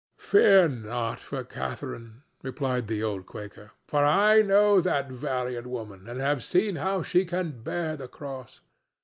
"Fear not for Catharine," replied the old Quaker, "for I know that valiant woman and have seen how she can bear the cross.